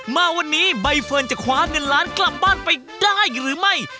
มาวันนี้ใบเฟิร์นจะคว้าเงินล้านกลับบ้านไปได้หรือไม่